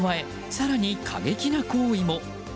更に過激な行為も。